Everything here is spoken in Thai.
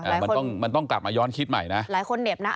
อ่ามันต้องกลับมาย้อนคิดใหม่นะหลายคนเด็บนะ